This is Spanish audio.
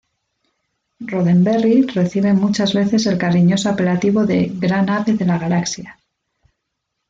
Roddenberry recibe muchas veces el cariñoso apelativo de "Gran Ave de la Galaxia.